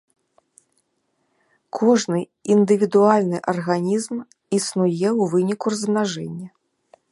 Кожны індывідуальны арганізм існуе ў выніку размнажэння.